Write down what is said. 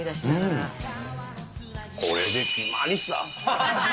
これで決まりさ。